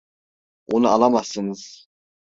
Onu alamazsınız.